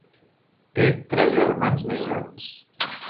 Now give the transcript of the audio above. Té tres germans més grans.